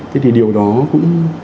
thì điều đó cũng